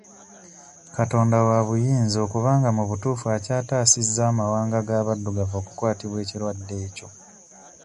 Katonda waabuyinza okubanga mu butuufu akyataasizza amawanga g'abaddugavu okukwatibwa ekirwadde ekyo.